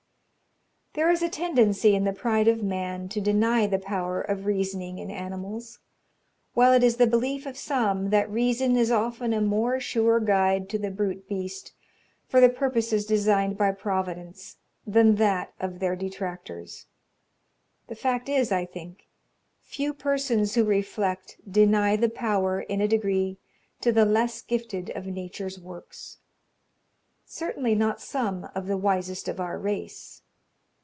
"There is a tendency in the pride of man to deny the power of reasoning in animals, while it is the belief of some that reason is often a more sure guide to the brute beast, for the purposes designed by Providence, than that of their detractors. The fact is, I think, few persons who reflect deny the power, in a degree, to the less gifted of Nature's works. Certainly not some of the wisest of our race.